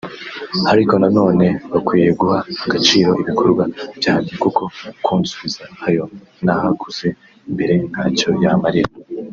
Ariko nanone bakwiye guha agaciro ibikorwa byanjye kuko kunsubiza ayo nahaguze mbere ntacyo yamarira